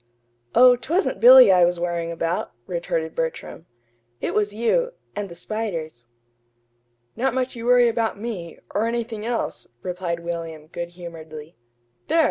"Oh, 'twasn't Billy I was worrying about," retorted Bertram. "It was you and the spiders." "Not much you worry about me or anything else," replied William, good humoredly. "There!